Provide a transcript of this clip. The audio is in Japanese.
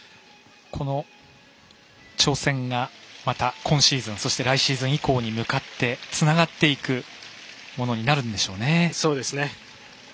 この挑戦がまた今シーズン来シーズン以降に向かってつながっていくものになるんでしょうね。